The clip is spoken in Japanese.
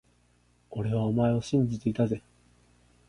俺はお前を信じていたぜ…